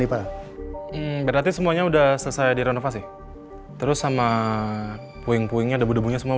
berarti semuanya udah selesai direnovasi terus sama puing puingnya debu debunya semua